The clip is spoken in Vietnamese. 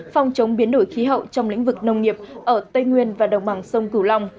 phòng chống biến đổi khí hậu trong lĩnh vực nông nghiệp ở tây nguyên và đồng bằng sông cửu long